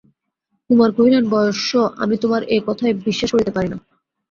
কুমার কহিলেন, বয়স্য আমি তোমার এ কথায় বিশ্বাস করিতে পারি না।